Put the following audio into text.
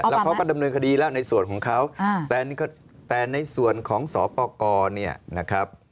แล้วเขาก็ดำเนินคดีแล้วในส่วนของเขาแต่ในส่วนของสปกรเนี่ยนะครับ